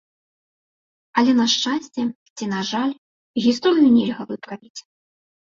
Але, на шчасце ці на жаль, гісторыю нельга выправіць.